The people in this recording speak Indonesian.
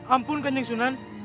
ampun kanjang sunan